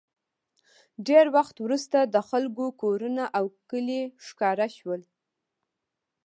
ډېر وخت وروسته د خلکو کورونه او کلي ښکاره شول